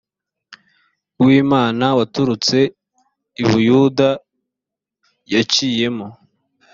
w imana waturutse i buyuda yaciyemo